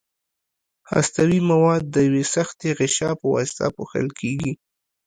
هستوي مواد د یوې سختې غشا په واسطه پوښل کیږي.